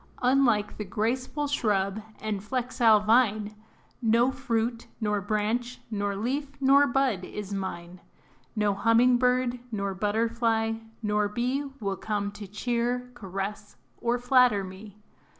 Unlike the graceful shrub and flexile vine, No fruit, nor branch, nor leaf, nor bud is mine. No humming bird, nor butterfly, nor bee Will come to cheer, caress or flatter me.